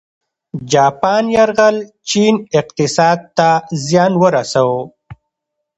د جاپان یرغل چین اقتصاد ته زیان ورساوه.